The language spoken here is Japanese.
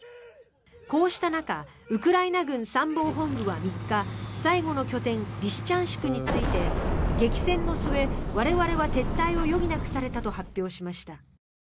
こうした中ウクライナ軍参謀本部は３日最後の拠点リシチャンシクについて激戦の末、我々は撤退を余儀なくされたと発表しました。